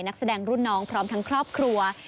นักแสดงรุ่นน้องพร้อมทั้งครอบครัว